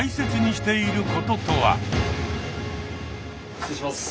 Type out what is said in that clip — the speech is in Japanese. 失礼します。